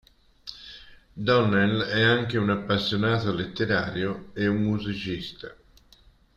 Donnell è anche un appassionato letterario e un musicista.